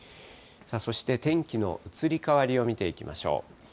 そして天気の移り変わりを見ていきましょう。